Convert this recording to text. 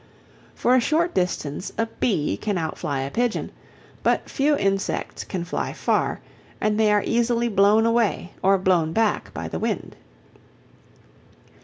For a short distance a bee can outfly a pigeon, but few insects can fly far, and they are easily blown away or blown back by the wind.